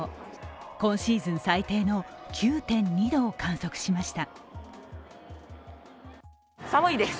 今シーズン最低の９．２度を観測しました。